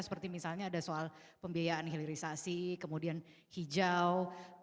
seperti misalnya ada soal pembiayaan hilirisasi kemudian hijau